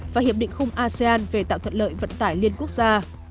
và hiệp định khung asean về tạo thuận lợi vận tải liên quốc gia